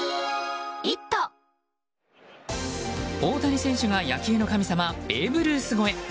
大谷選手が野球の神様ベーブ・ルース超え！